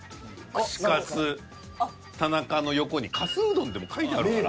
「串カツ田中」の横に「かすうどん」って書いてあるから。